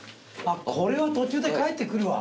これは途中で帰ってくるわ。